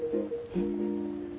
うん？